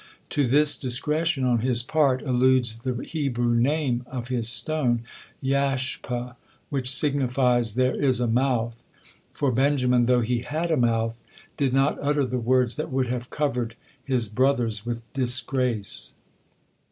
To this discretion on his part alludes the Hebrew name of his stone, Yashpeh, which signifies, "There is a mouth," for Benjamin, though he had a mouth, did not utter the words that would have covered his brothers with disgrace.